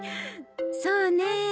そうねえ。